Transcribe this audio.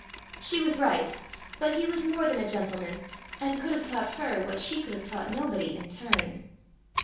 She was right; but he was more than a gentleman, and could have taught her what she could have taught nobody in turn.